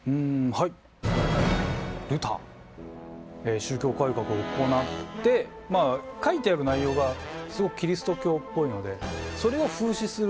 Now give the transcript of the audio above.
宗教改革を行ってまあ描いてある内容がすごくキリスト教っぽいのでそれを風刺する